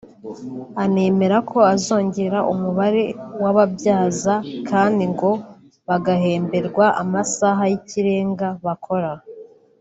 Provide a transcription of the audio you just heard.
anemera ko azongera umubare w’ababyaza kandi ngo bagahemberwa amasaha y’ikirenga bakora